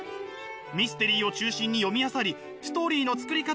ミステリーを中心に読みあさりストーリーの作り方を学んでいます。